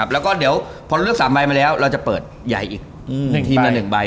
แล้วก็เดี๋ยวพอเลือก๓ใบมาแล้วเราจะเปิดใหญ่อีก๑ทีมละ๑ใบ